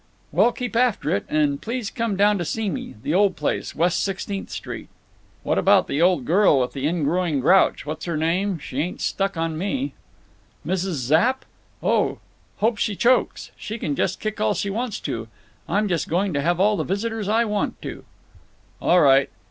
"Well, keep after it. And please come down to see me—the old place—West Sixteenth Street." "What about the old girl with the ingrowing grouch? What's her name? She ain't stuck on me." "Mrs. Zapp? Oh—hope she chokes. She can just kick all she wants to. I'm just going to have all the visitors I want to." "All right.